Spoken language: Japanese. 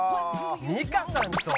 「美香さんと！？」